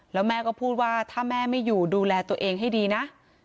แล้วแม่ก็พูดว่าถ้าแม่ไม่อยู่ดูแลตัวเองให้ดีนะ